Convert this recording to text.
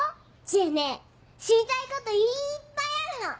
知恵ね知りたいこといっぱいあるの！